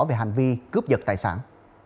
về hành vi cướp giật tài sản